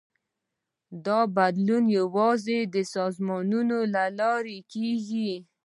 دا بدلون یوازې د سازمانونو له لارې کېږي.